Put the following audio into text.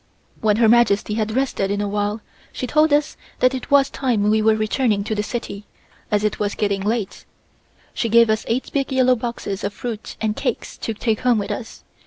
When Her Majesty had rested a while, she told us that it was time we were returning to the city, as it was getting late. She gave us eight big yellow boxes of fruit and cakes to take home with us.